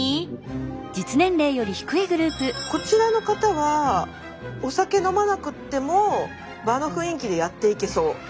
こちらの方はお酒飲まなくっても場の雰囲気でやっていけそう。